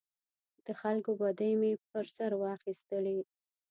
د خلکو بدۍ مې پر سر واخیستلې.